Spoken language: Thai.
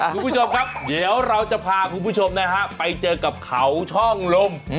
คุณผู้ชมครับเดี๋ยวเราจะพาคุณผู้ชมนะฮะไปเจอกับเขาช่องลม